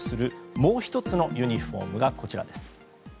もう１つのユニホームがこちらです。